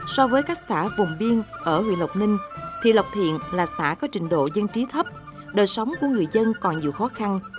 so với các xã vùng biên ở huyện lộc ninh thì lộc thiện là xã có trình độ dân trí thấp đời sống của người dân còn nhiều khó khăn